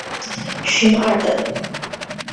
勋二等。